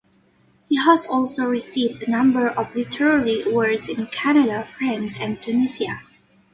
He has also received a number of literary awards in Canada, France, and Tunisia.